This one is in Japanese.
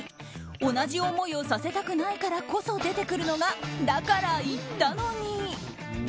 同じ思いをさせたくないからこそ出てくるのが、だから言ったのに。